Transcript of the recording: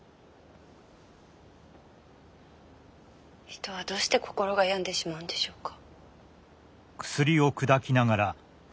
人はどうして心が病んでしまうんでしょうか？